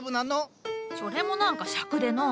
それも何かしゃくでのう。